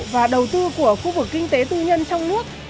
và đầu tư của khu vực kinh tế tư nhân trong nước